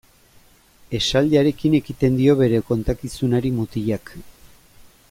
Esaldiarekin ekiten dio bere kontakizunari mutilak.